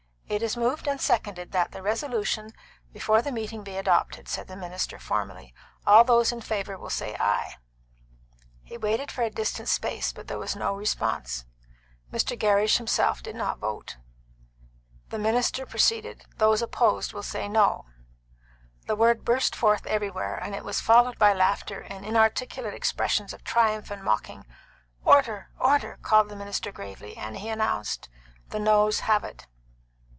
"It is moved and seconded that the resolution before the meeting be adopted," said the minister formally. "All those in favour will say ay." He waited for a distinct space, but there was no response; Mr. Gerrish himself did not vote. The minister proceeded, "Those opposed will say no." The word burst forth everywhere, and it was followed by laughter and inarticulate expressions of triumph and mocking. "Order! order!" called the minister gravely, and he announced, "The noes have it."